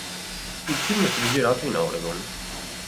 Il film è stato girato in Oregon.